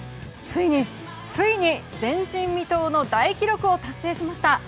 ついに、ついに前人未到の大記録を達成しました。